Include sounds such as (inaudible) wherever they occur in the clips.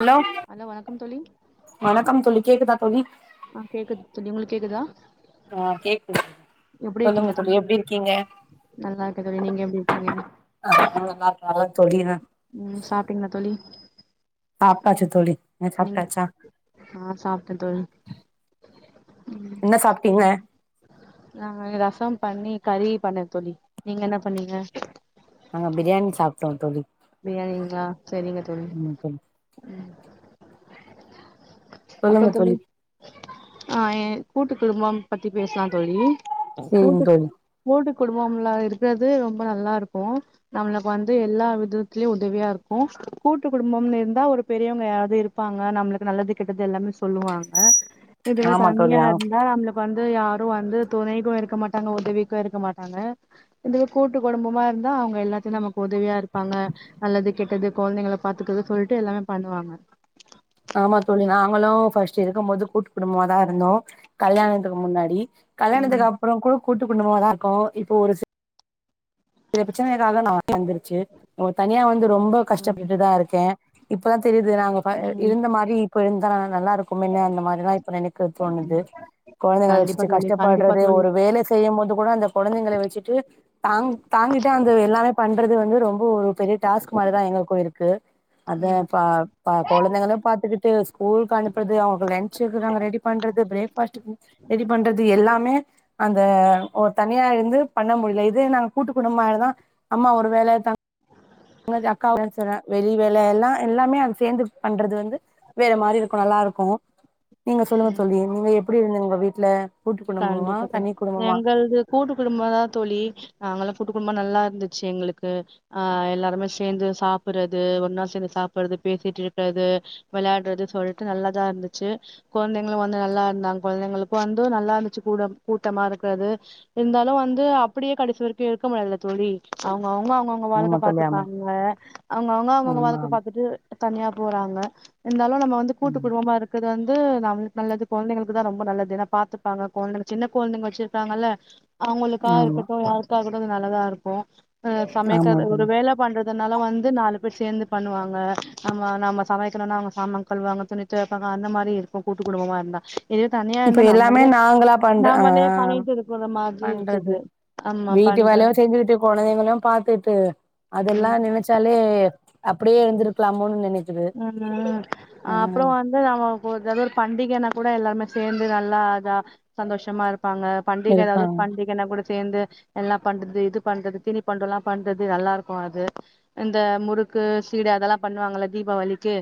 Hello தோழி வணக்கம் தோழி வணக்கம் தோழி கேக்குதா தோழி ஆ கேக்குது தோழி உங்ளுக் கேக்குதா ஆ கேக்குது எப்டி சொல்லுங்க இருக்கீங்க தோழி எப்டி இருக்கீங்க நல்லா இருக்கே தோழி நீங்க எப்டி இருக்கீங்க (unintelligible) நல்லா தோழி தா ம் சாப்டிங்ளா தோழி சாப்டாச்சு தோழி நீங்க ம் சாப்ட்டாச்சா ஆ சாப்ட்ட தோழி என்ன சாப்ட்டீங்க நா ரசம் பண்ணி கறி பன்னே தோழி நீங்க என்ன பண்ணீங்க நாங்க பிரியாணி சாப்டோம் தோழி பிரியாணிங்ளா சரிங்க தோழி ஆமா தோழி அப்றோ தோழி ஆ எ கூட்டு குடும்பம் பத்தி பேசலா தோழி சேரிங்க கூட்டுக் தோழி கூட்டு குடும்பம்லா இருக்கறது ரொம்ப நல்லா இருக்கும் நம்ள வந்து எல்லா விதத்லயு உதவியா இருக்கு கூட்டு குடும்பம்னு இருந்தா ஒரு பெரியவங்க யாராவது இரு ப்பாங்க நம்மளுக்கு நல்லது கெட்டது எல்லாமே சொல்வாங்க இதுவே ஆமா தோழி தனியா ஆ இருந்தா நம் வந்து யாரும் வந்து தொணைக்கும் இருக்க மாட்டாங்க உதவிக்கும் இருக்க மாட்டாங்க இதுவே கூட்டு குடும்பமா இருந்தா அவங்க எல்லாத்லேயு நமக்கு உதவியா இருப்பாங்க நல்லது கெட்டது கொழந்தைங்கள பாத்துக்கறது சொல்ட்டு எல்லாமே பண்ணுவாங்க ஆமா தோழி நாங்களு ஃபர்ஸ்ட் இருக்கு போது கூட்டு குடும்பமாதா இருந்தோ கல்யாணத்துக்கு முன்னாடி ம் கல்யாணத்துக்கு அப்றோ கூட கூட்டுக்குடும்பமாதா இருக்கோ இப்போ ஒரு சி ல பிரச்சனைனால நா வந்துருச்சு உங் தனியா வந்து ரொம்ப ம் கஷ்டப்பட்டுதா இருக்கேன் இப்பதா தெரியுது நாங்க ப ம் இருந்த மாரி இப்ப இருந்தா நல்லாருக் குமில்ல அந்த மாரி தான் இப்ப நினைக்க தோணுது கொழந்தைங்க கண்டிப்பா வச்சுட்டு தோழி கண்டிப்பா கஷ்டப்படுறதே தோழி ஒரு வேல செய்யும் போது கூட அந்த குழந்தைங்கள வச்சுட்டு தாங் தாங்கிட்டு அந்த எல்லாமே பண்றது வந்து ரொம்ப ஒரு பெரிய டாஸ்க் மாதிரிதா எங்களுக்கு ஒரு ஓகே அதே ம் பா குழந்தைங்களயு பாத்துக்கிட்டு ஸ்கூலுக்கு அனுப்புறது அவங்க லன்ஞ் நாங்க ரெடி பண்றது பிரேக் ஃபாஸ்ட் ரெடி பண்றது எல்லாமே அந்த தனியா இருந்து பண்ண முடியல இதே நாங்க கூட்டு குடும்பனாலதா அம்மா ஒரு வேல தா உன்ன அக்காவேல செய்றா வெளி வேலை எல்லா எல்லாமே அது சேர்ந்து பண்றது வந்து வேற மாதிரி இருக்கும் நல்லா இருக்கும் நீங்க சொல்லுங்க தோழி நீங்க எப்டி இருந்தீங்க உங்க வீட்டுல கண்டிப்பா க எங்கள்து கூட்டு குடும்பதா தோழி நாங்கல்லா கூட்டு குடும்பம் நல்லா இருந்துச்சு எங்களுக்கு அ எல்லாருமே சேர்ந்து சாப்பிட்றது ஒரு நாள் சேர்ந்து சாப்பிடுறது பேசிட்டு இருக்கிறது விளையாடுறது சொல்லிட்டு நல்லாதா இருந்துச்சு குழந்தைங்களு வந்து நல்லா இருந்தாங்க குழந்தைங்களுக்கு வந்து நல்லா வச்சி கூட கூட்டமா இருக்றது இருந்தாலு வந்து அப்டியே கடைசி வரைக்கு இருக்க முடியாதுல தோழி அவுங்க அவுங்க அவங்கவுங்க அவங்க வாழக்க ஆமா தோழி ஆமா பாத்துக்காங்க அவங்க அவங்க அவங்க ஆமா வாழ்க்க பாத்துட்டு தனியா போறாங்க இருந்தாலு நம்ம வந்து கூட்டு ஆமா குடும்பமா இரு வந்து நம்ம நல்லது குழந்தைங்களுக்கு தா ரொம்ப நல்லது நான் பாத்து பாங்க குழந்தைங்க சின்ன குழந்தைங்க வச்சிருக்காங்கல்ல அவங்களுக்கா ஆமா இருக்கட்டு கூட்டா இருக்குறது நல்லா தான் இருக்கும் ஆமா சமக்கிறது ஒரு தோழி வேல பண்றதுனால வந்து நாலு பேர் சேந்து பண்ணுவாங்க நம்ம நம்ம சமயத்துல நாங்க அவங்க சாமகல் யூ ழவாங்க துணி வைப்பா அந்த மாதிரி இருக்கு கூட்டு குடும்பமா இருந்தா எது தனியா இப்ப இருந்தா எல்லாமே நம்மளே நாங்களா பண்ற ஆ நாமளே பண்ணிட்டு இருக்குற மாதிரி பண்றது இருக்குது ஆமா பண்ற குழந்தைங்களு பாத்துட்டு அதெல்லா நினைச்சாலே அப்டியே எழுந்திருக்கலாமோனு நினைச் ம் அப்புற வந்து நம ஏதாவது ஒரு பண்டிகைன்னா கூட எல்லாருமே சேர்ந்து நல்லா அத சந்தோஷமா இருப்பாங்க பண்டிகை இருக்கா ஏதாவது பண்டிகை ஏன்னா கூட சேர்ந்து எல்லா பண்றது இது பண்றது திணி பண்றது எல்லாபண்றது நல்லா இருக்கு அது அந்த முறுக்கு சீட அதெல்லா பண்ணுவாங்கல்ல தீபாவளிக்கு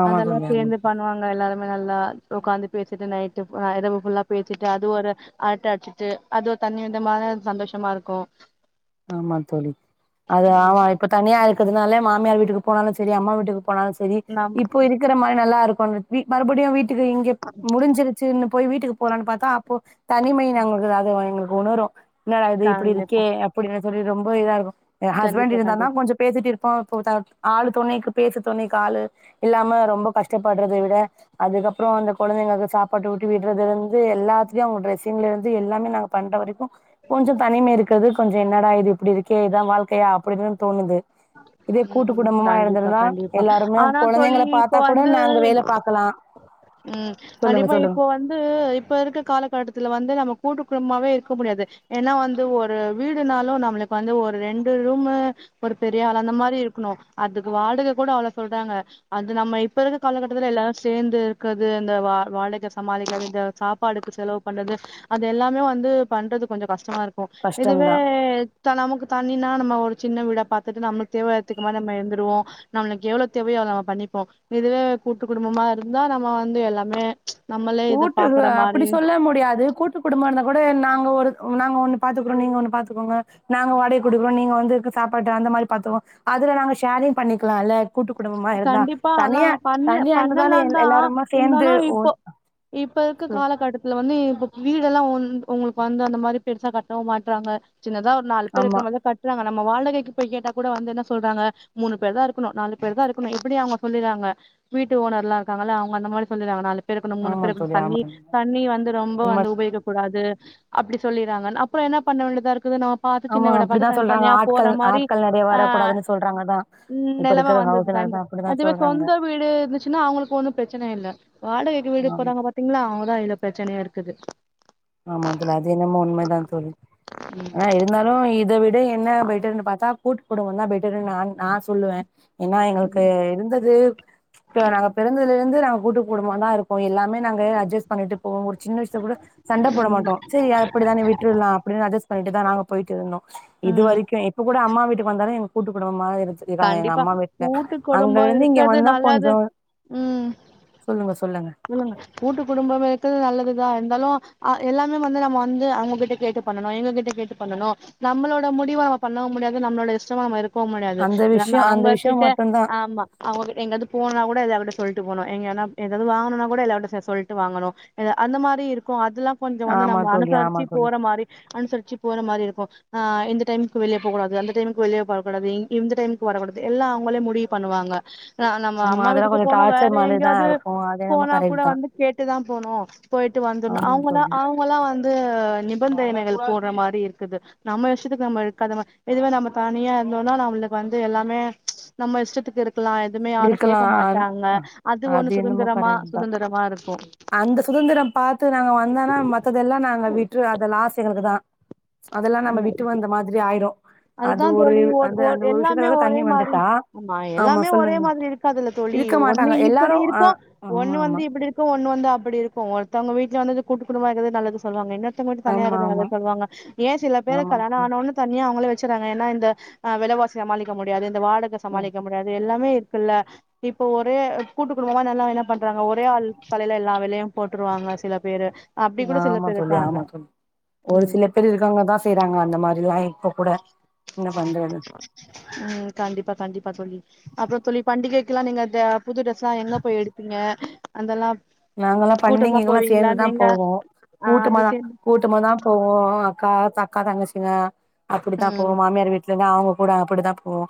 ஆமா அதெல்லா தோழி ஆமா சேந்து பண்ணுவாங்க எல்லாருமே நல்லா உட்காந்து பேசிட்டு நைட்டு இரவுபுல்லா பேசிட்டு அது ஒரு ஆட்ட அடிச்சிட்டு அது தணி விதமான சந்தோஷமா இருக்கு ஆமா தோழி அது ஆமா இப்ப தனியா இருக்கதுனால மாமியார் வீட்டுக்கு போனாலு சரி அம்மா வீட்டுக்கு போனாலு சரி நம் இப்ப இருக்கிற மாரி நல்லாருக்கு வீ மறுபடியு வீட்டுக்கு இங்க முடிஞ்சிரு சின்னு போய் வீட்டுக்கு போலான் பாத்தா அப்போ தனிமை நாங்களுக்கு அது எங்களுக்கு உணரு இன்னாடா இது இப்டி கண்டிப்பா இருக்கே அப்டின்னு சொல்லி ரொம்ப இதா இருக்கு என் ஹஸ்பண்ட்டு கண்டிப்பா இருந்தார்ன்னா கண்டிப்பா கொஞ்சோ பேசிட்டு இருப்போ ஆளு துணைக்கு பேச்சு துணைக்கு ஆளு இல்லாம ரொம்ப கஷ்டப்பட்றத விட அதுக்கப்புற அந்த கொழந்தைங்களுக்கு சாப்பாடு ஊட்டி விட்றதுலந்து எல்லாத்துலையு அவங்க டிரெஸ்ஸிங்லந்து எல்லாமே நாங்க பண்ற வரைக்கு கொஞ்சோ தனிம இருக்குது கொஞ்சோ இன்னடா இது இப்டி இருக்கு இதா வாழ்க்கையா அப்டின்னு தோணுது இதே கூட்டு ம் குடும்பமா கண்டிப்பா இருந்திருந்தா கண்டிப்பா எல்லாருமே ஆனா தோழி கொழந்தைங்கள இப்ப பாத்தா கூட வந்து நாங்க வேல பாக்கலா ம் சொல்லுங்க கண்டிப்பா சொல்லுங்க இப்போ வந்து இப்ப இருக்க காலகட்டத்துல வந்து நம்ம கூட்டு கும்மாவே இருக்க முடியாது ஏன்னா வந்து ஒரு வீடுனாலு நம்மளுக் வந்து ஒரு ரெண்டு ரூமு ஒரு பெரிய ஹாலு அந்த மாரி இருக்குணு அதுக்கு வாடக கூட அவ்ளோ சொல்றாங்க அது நம்ம இப்ப இருக்க காலகட்டத்துல எல்லாரு சேந்து இருக்கது இந்த வா வாடக சமாளிக்கிறது இந்த சாப்பாடுக்கு செலவு பண்றது அது எல்லாமே வந்து பண்றது கொஞ்ச கஷ்டமா இருக்கு இதுவே கஷ்டம்தா இப்ப நமக்கு தனினா நம்ம ஒரு சின்ன வீடா பாத்துட்டு நம்ளுக் தேவைத்துக்கு மாரி நம்ம இந்துருவோ நம்ளுக்கு எவ்ளோ தேவையோ நம்ம பண்ணிப்போ இதுவே கூட்டு குடும்பமா இருந்தா நம்ம வந்து எல்லாமே நம்மளே இத கூட்டுது பாக்குற மாரி அப்டி சொல்ல முடியாது கூட்டு குடும்ப இருந்தா கூட நாங்க ஒரு நாங்க ஒன்னு பாத்துக்குறோ நீங்க ஒண்ணு பாத்துக்கோங்க நாங்க வாடக குடுக்குறோம் நீங்க வந்து இருக்கு சாப்பாடு அந்த மாரி பாத்துவோம் அதுல நாங்க ஷேரிங் பண்ணிக்லாம்ல கூட்டு குடும்பமா இருந்தா கண்டிப்பா ஆனா தனியா பண்ண தனியானுதானே எல் பண்ணலாந்தா எல்லாருமா சேந்து இருந்தாலு ஒ இப்போ இப்ப இருக்க காலகட்டத்துல வந் நீ இப்ப வீடெல்லாம் வந்து உங்குளுக்கு வந்து அந்த மாரி பெருசா கட்டவும் மாட்றாங்க சின்னதா ஒரு நாலு பேரு இருக்கற ஆமா மாரி தா கட் ட்டுவாங்க நம்ம வாடகைக்கு போய் கேட்டா கூட வந்து என்ன சொல்றாங்க மூணு பேரு தா இருக்கணும் நாலு பேரு தா இருக்கணும் எப்படி அவங்க சொல்லிறாங்க வீட்டு ஓனர்ல்லா இருக்காங்கள்ல அவங்க அந்த மாரி சொல்லிறாங்க நாலு பேர் இக்கணும் மூணு ஆமா பேரு இக்கனும் தோழி தண்ணி ஆமா தண்ணி வந்து ரொம்ப உண்ம வந்து உபயோகப் கூடாது அப்டி சொல்லிறாங்க அப்புறம் என்ன பண்ண வேண்டிதா இருக்குது நா பாத்து ஆமா சின்ன வீடா அப்டிதா பாத்து தன் சொல்றாங்க தனியா ஆட்கள் போற மாரி ஆட்கள் நெறைய ஆ வரக்கூடாதுன்னு சொல்றாங்கதா இப்ப நெலம இருக்கிற ஹவுஸ் ஓனர்தா வந்த்ரு அப்டிதா அதுவே சொல்றாங்க சொந்த வீடு இருந்துச்சுன்னா அவுங்குளுக்கு ஒன்னும் பிரச்சன இல்ல வாடகைக்கு வீடு ஆம் போறவ்ங்க பாத்தீங்ளா அவங்கதா இதுல பிரச்சனையே இருக்குது ஆமா அதுல அது என்னமோ உண்மதா தோழி ம் ஆ இருந்தாலும் இத விட என்ன பெட்டருன்னு பாத்தா கூட்டு குடும்பம் தா பெட்டர்ன்னு நா நா சொல்லுவ ஏன்னா எங்களுக்கு இருந்தது இப்ப நாங்க பெறந்தலருந்து நாங்க கூட்டு கூடும்மா தா இருக்கோ எல்லாமே நாங்க அட்ஜஸ்ட் பண்ணிட்டு போவோம் ஒரு சின்ன விஷ்யோ கூட சண்ட போட ம் மாட்டோம் சரி அப்படித்தான விட்ருலாம் அப்டின்னு அட்ஜஸ் பண்ணிட்டு தா நாங்க போயிட்டு இருந்தோ இது ம் வரைக்கும் இப் இப்ப கூட அம்மா வீட்டுக் வந்தாலும் எனக் கூட்டு குடும்பமாவே இத் இதாங்க எங்க கண்டிப்பா அம்மா வீட்ல கூட்டு அங்க குடும்போ இருந்து இங்க இருக்கறது வந்தா நல்லது கொஞ்சம் சொல்லுங்க சொல்லுங்க ம் கூட்டு குடும்பமே இருக்கு நல்லதுதா இருந்தாலும் ஆ எல்லாமே வந்து நம்ம வந்து அவங்ககிட்ட கேட்டு பண்ணனு எங்க கிட்ட கேட்டு பண்ணனு நம்மளோட முடிவ அவ் பண்ண முடியாது நம்ளோட இஷ்டமா நம்ம இருக் போ முடியாது அந்த நம்ம விஷயோ அந்த அவங்க விஷயோ கிட்ட மட்டுந்தா ஆமா அவங்க எங்காவ்து போனா கூட இத அவங்ட்ட சொல்ட்டு போனும் எங்கனா எதா எதும் வாங்கணும்னா கூட எல்லாருட்ட சொ சொல்ட்டு வாங்கணும் இல அந்த மாரி இருக்கும் அதுல்லா கொஞ்சொ வந்து ஆமா நம்ப தோழி ஆமா அனுசரிச்சி தோழி போற மாரி அனுசரிச்சி போற மாரி இருக்கு ஆ இந்த டைம்க்கு வெளிய போ கூடாது அந்த டைமுக்கு வெளிய பா கூடாது இ இந்த டைமுக்கு வரக்கூடாது எல்லா அவுங்களே முடி பண்ணுவாங்க ந நம்ம ஆமா அம்மா அதெல்லா வீட்டுக்கு கொஞ்சோ போனா வேற டார்ச்சர் மாரிதா எங்கயாவ்து இருக்கு அது என்னமோ போனா கூட கரெக்ட் தா வந்து கேட்டுதா போனு போய்ட்டு வந்துர்னு ஆமா அவுங்களா தோழி அவுங் களா வந்து நிபந்தனைகள் போட்ற மாரி இருக்குது நம்ம இஷ்டத்துக்கு நம்ம இருக்காத மா இதுவே நம்ம தனியா இருந்தோனா நம்ளுக்கு வந்து எல்லாமே நம்ம இஷ்டத்துக்கு இருக்லா இருக்லா அ அது ஒண்ணு என்னமோ சுதந்திரமா கரெட் தா சுதந்திரமா இருக்கு அந்த சுதந்திரோ பாத்து நாங்க வந்தானா மத்ததெல்லா நாங்க விட்ரு அத லாஸ் எங்களுக்கு தா அதெல்லா நம்ம விட்டு வந்த மாத்ரி ஆய்ரு அதுதா தோழி ஒர் ஒ எல்லாமே ஒரே மாரி வந்துட்டா ஆமா எல்லாமே க்காதுல தோழி இருக்க ஒன்னு மாட்டாங்க எல்லாரு இப்பிடி ஆ இருக்கு ஆமா ஒன்னு வந்து ஆமா இப்டிரு க்கு ஒன்னு வந்து அப்டி இருக்கு ஒர்த்தோங்க வீட்ல வந்து அது கூட்டு குடும்பமா இருக்கற்தே நல்லது சொல்வாங்க இன்னர் தொங்க வந்து தனியா இருக்குறத ஆமா சொல்வாங்க ஏ சில பேரு ஆமா ஆமா கல்யாணோ தோழி. ஆன ஒட்னே தனியா அவுங்களே வ ச்சுறாங்க ஏனா இந்த ஆ வெலவாசி சமாளிக்க முடியாது இந்த வாடக சமாளிக்க முடியாது எல்லாமே இருக்குல்ல இப்ப ஒரு கூட்டு குடும்பமா நல்லா என்ன பண்றாங்க ஒரே ஆள் தலைல எல்லா வேலையு போட்ருவாங்க சில பேரு அப்டி கூட சில ஆமா பேர் தோழி இருக்காங்க ஆமா தோழி ஒரு ம் சில பேர் இருக்காங்க தா செய்றாங்க அந்த மாரிலா இப்ப கூட என்ன பண்றது ம் கண்டிப்பா கண்டிப்பா தோழி அப்றோ தோழி பண்டிகைக்லா நீங்க த புது ட்ரெஸ்லா எங்க போய் எடுப்பீங்க அந்தல்லா நாங்கல்லா கூட்டமா பண்டிகைகல்லா போவீங்ளா நீங்க ஆ அது சேந்து கூட்டமா தா போவோ அக்கா அக்கா தங்கச்சிங்க அப்டித்தா ம் போவோ மாமியார் வீ ட்லதா அவுங்க கூட அப்டிதா போவோ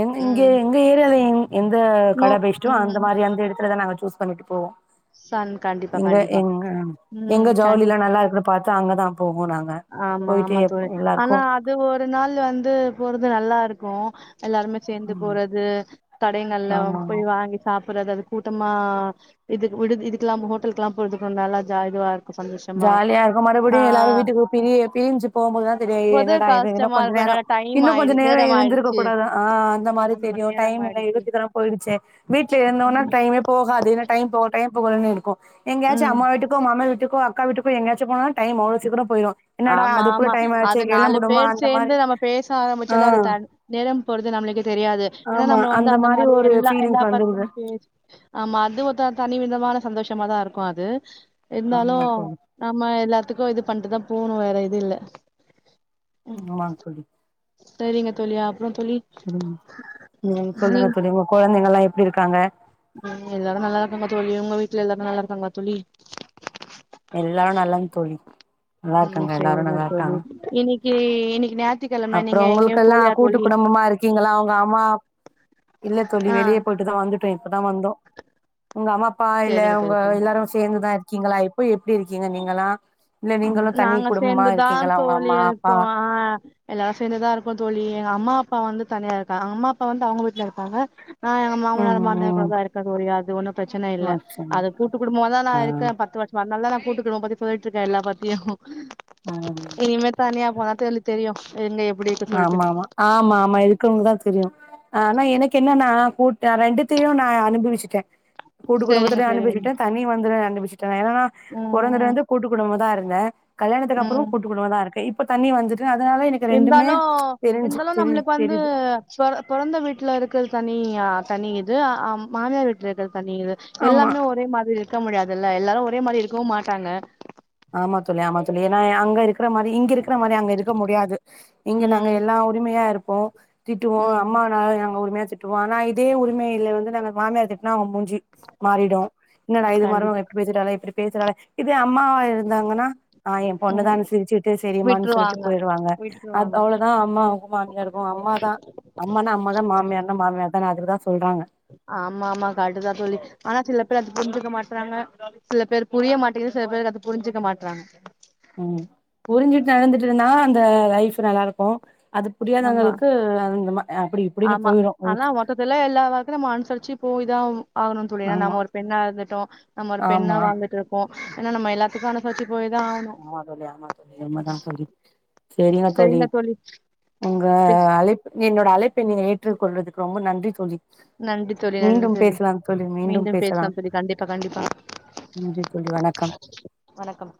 எங்க இங்க ம் எங்க ஏரியால எங் எந்த நோ கட பெஸ்ட்டோ அந்த ம் மாரி அந்த எடத்துல தா நாங்க சூஸ் பண்ணிட்டு போவோ ஷான் கண் இங்க எங்க எங்க ஜவுளிலா கண்டிப்பா நல்லாருக்குன் பாத்து அங்கதா போவோ நாங்க ஆமா போயிட்டு ஆமா எப் தோழி ஆனா எல்லாருக்கு அ து ஒரு நாள் வந்து போறது நல்லாருக்கு எல்லாருமே சேந்து ம் போறது கடைங்கள்ல ஆமா போய் வாங்கி சாப்புறது அது கூட்டமா இது விடுக் இதுக்லா ஹோட்டல்க்லா போறது கொன் நல்லா ஜா இதுவாரு ஜாலியாருக்கு மறுப்டியு எல்லாரு வீட்டுக்கு பிரிய பிரிஞ்சு போம்போதுதா தெரியு ஏ போது என்னடா இது இன்னு கஷ்டமா கொஞ்ச இருக்கு நேரோ என்னால டைம் இன்னு கொஞ்சோ ஆயிடு நேரோ நேரம் இருந்திருக்க ஆயிடுச்சு கூடாதா ஆ அந்த மாரி தெரியு மணி நேரம் டைம் இன்னு ஆயிடுச்சு இலு சீக்கரோ போய்டுச்சே வீட்லே இருந்தோனா ம் டைமே போகாது இன்னு டைம் போகல டைம் போகலன்னு இருக்கு எங்கயாச்சு ம் அம்மா வீட்டுக்கோ மாமியார் வீட்டுக்கோ அக்கா வீட்டுக்கோ எங்கயாச்சு போனா டைம் அவ்ளோ சீக்கிரோ போய்ரு என்னடா ஆமா அதுக்குள்ள ஆமா டைம் அது ஆய்ச்சே நாலு கெளம்புனுமா பேர் அந்த சேந்து மாரி நம்ம பேச ஆ ஆரம்பிச்சாலே அது த நேரம் போறது நம்ளுக்கே தெரியாது ஏனா ஆமா நம்ம வந்து அந்த மாரி ஒரு எல்லா எல்லா ஃபீலிங்ஸ் பத்தியு வந்துருது பேசி ஆமா அது ஒத்த தனிவிதமான சந்தோஷமா தாருக்கு அது இந்தாலு ஆமா தோழி நம்ம எல்லா த்துக்கு இது பண்ட்டுதா போனு வேற இது இல்ல ஆமா தோழி சேரிங்க தோழி அப்றோ தோழி ம் ம் சொல்லுங்க தோழி உங்க கொழந்தைங்கள்லா எப்டிருக்காங்க ம் எல்லாரு நல்லாருக்காங்க தோழி உங்க வீட்ல எல்லாரு நல்லாருக்காங்ளா தோழி எல்லாரு நலம் தோழி நல்லாருக்காங்க எல்லாரு நல்லாருக்காங்க இன்னிக்கி இன்னிக்கி நே அப்றோ உங்ளுக்கெல்லா கூட்டு குடும்பமாரு கீங்களா அவுங்க அம்மாப் இல்ல தோழி ஆ வெளியே போயிட்டு தா வந்தோ இப்போதா வந்தோ உங்க அம்மா அப்பா இல்ல சரிங்க உங்க தோழி சரி எல்லாரு சேர்ந்துதா இருக்கீங்களா இப்போ எப்டி இருக்கீங்க நீங்க எல்லா நாங்க சேந்துதா உங்க தோழி அம்மா அப்பா இருக்கோ எல்லாரு சேந்துதா இருக்கோ தோழி எங்க அம்மா அப்பா வந்து தனியா இருக்காங்க எங்க அம்மா அப்பா வந்து அவுங்க வீட்டுல இருப்பாங்க அ எங்க ம் மாமனாரு மாமியாரு ம் கூடதா இருக்க தோழி அது ஒன்னு பிரச்சனை இல்ல ம் சரி அது கூட்டு குடும்பம நா ஆ இருக்கேன் பத்து வருஷோம அதனாலதா நா கூட்டு குடும்பம் பத்தி சொல்லிட்டு இருக்கேஎல்லா பத்தியு ஆம் இனிமே தனியா போனா தெள்ளு தெரியு எங்க எப்டி இருக்கு சொல்லிட்டு ஆமா ஆமா ஆமா இருக்குறவங்களுக்கு தா தெரியு ஆனா எனக்கு என்னன்னா கு நா ரெண்டுத்தையு நா அனுபவிச்சுட்ட கூட்டு சரிங்க குடும்பத்துலேயு சரிங்க அனுபவிச்சுட்டேன் தனி வந்து அனுபவிச் தோ என்னனா பொறந்ததுல ம் இருந்து கூட்டு குடும்மமதா இருந்த கல்யணத்துக்கு அப்புறோ கூ ம் கூட்டு குடுமதா இருக்கே இப்ப தண்ணி வந்தது அதனால எனக்கு ரெண்டுமே ஒ தெரிஞ்சு இருந்தாலு தெரி நம்ளுக்கு வந்து தெரியுது சோ அவ பொறந்த வீட்டுல இருக்க தனி அ தனி இது அ மாமியார் வீட்டுல இருக்க தனி இது ஆமா எல்லாமே ஒரே மாதிரி இருக்க முடியாதுல்ல எல்லாரு ஒரே மாதிரி இருக்கவு மாட்டாங்க ஆமா தோழி ஆமா தோழி ஏன்னா அங்க இருக்கிற மாரி இங்க இருக்கிற மாரி அங்க இருக்க முடியாது இங்க நாங்க ம் எல்லா ஊ உரிமையா இருப்போ திட்டுவோ ம் அம்மாநானு எங்க உரிமையா திட் திட்டுவோ ஆனா இதே உரிமையில வந்து நாங்க மாமியார் திட்டுனா அவுங்க மூஞ்சி மாறிடு இன்னடா இது கண்டிப் மருமக பேசிடாலே இப்டி பேசுறாலே இதோ அம்மாவா இருந்தாங்கன்னா என் பொண்ணு ம் தானு சிரிச்சுட்டு சேரிமான்னு சொல்லிட்டு விட்ருவாங்க போயிடுவாங்க விட்ருவாங்க அவ்வளவுதா அ அம்மா மாமியாருக்கே அம்மா தா அம்மனா அம்மா தா மாமியார்னா மாமியார் தா அதுக்குதா சொல்றாங்க ஆமா ஆமா கரட்டு தா தோழி ஆனா சில பேர் அத புரிஞ்சுக்க மாட்டுறாங்க சில பேர்புரிய மாட்டேங்குது சில பேரு அத புரிஞ்சிக்க மாட்றாங்க ம் புரிஞ்சுட்டு நடந்துட்டுன அந்த லைஃப் நல்லா இருக்கு அது ஆமா புரியாதவங்களுக்கு அந்தம அப்டி இப்டின்னு ஆமா போயிரு ஆனா லைஃப் மொத்தத்துல எல்லா ஓர்க்ல நம்ம அனுசரிச்சு போய் தான் ஆவ்னு ஆகணும்னு சொல்லி ஏன்னா ஆமா நம்ம ஒரு பெண்ணா இருந்துட்டோ நம்ம ஒரு பெண்ணா ஆமா வாழ்ந்துட்டு இருக்கோ ஏன்னா நம்ம எல்லா அனுசச்சி போய்தா ஆவ்னு ஆமா தோழி ஆமா தோழி உண்மதா தோழி சரிங்க தோழி உங்க பேச- அழைப்பு என்னோட அழைப்ப நீ ஏற்றுக்கொள்றதுக்கு ரொம்ப நன்றி தோழி நன்றி தோழி நன்றி மீண்டும் தோழி பேசலாம் தோழி மீண்டும் பேசலாம் தோழி கண்டிப்பா கண்டிப்பா நன்றி தோழி வணக்கம் வணக்கம்